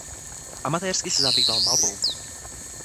Amatérsky se zabýval malbou.